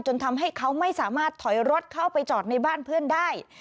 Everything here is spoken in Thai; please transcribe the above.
จนทำให้เขาไม่สามารถถอยรถเข้าไปจอดในบ้านเพื่อนได้